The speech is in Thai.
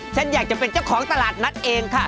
ฉันอยากจะเป็นเจ้าของตลาดนัดเองค่ะ